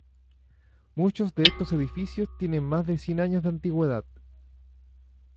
Muchos de estos edificios tienen más de cien años de antigüedad.